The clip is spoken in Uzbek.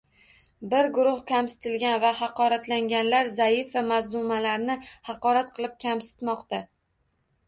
Bir guruh kamsitilgan va haqoratlanganlar zaif va mazlumlarni haqorat qilib, kamsitmoqda